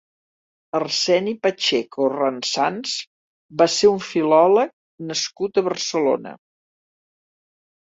Arseni Pacheco Ransanz va ser un filòleg nascut a Barcelona.